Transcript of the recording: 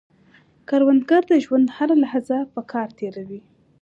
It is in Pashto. کروندګر د ژوند هره لحظه په کار تېروي